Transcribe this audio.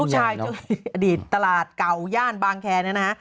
ลูกชายอดีตตลาดเก่าย่านบางแคร์นะฮะ